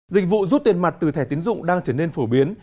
dịch vụ rút tiền mặt từ thẻ tiến dụng đang trở nên phổ biến